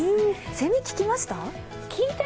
セミ、聞きました？